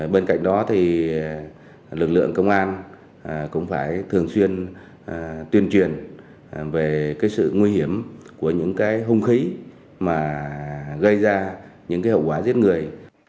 bên cạnh đó lực lượng công an cũng phải thường xuyên tuyên truyền về sự nguy hiểm của những hông khí gây ra những hậu quả giết người